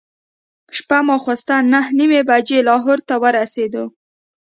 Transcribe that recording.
شپه ماخوستن نهه نیمې بجې لاهور ته ورسېدو.